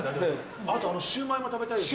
あとあのシューマイも食べたいです。